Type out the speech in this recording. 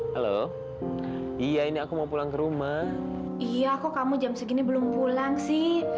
halo iya ini aku mau pulang ke rumah iya kok kamu jam segini belum pulang sih